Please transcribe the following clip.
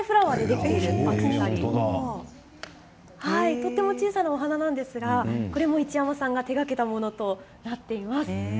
とても小さなお花なんですがこれも市山さんが手がけたものとなっています。